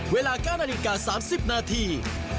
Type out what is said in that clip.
เวลา๙นาฬิกา๓๐นาที